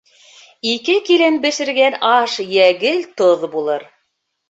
Ике килен бешергән аш йә гел тоҙ булыр